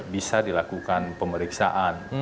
bisa dilakukan pemeriksaan